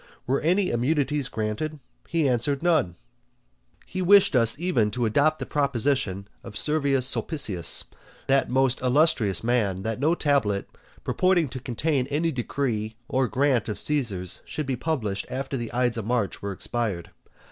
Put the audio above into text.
Were any immunities granted? He answered, None. He wished us even to adopt the proposition of Servius Sulpicius, that most illustrious man, that no tablet purporting to contain any decree or grant of Caesar's should be published after the Ides of March were expired.